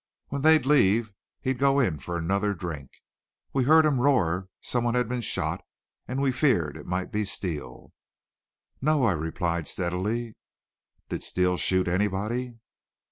When they'd leave he'd go in for another drink. We heard him roar some one had been shot and we feared it might be Steele." "No," I replied, steadily. "Did Steele shoot anybody?"